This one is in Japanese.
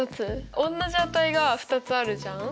おんなじ値が２つあるじゃん。